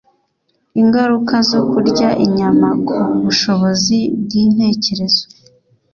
ingaruka zo kurya inyama ku bushobozi bw'intekerezo